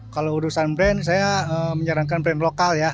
kalau urusan brand saya menyarankan brand lokal ya